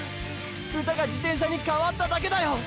歌が自転車にかわっただけだよ！！